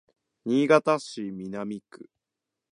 新潟市南区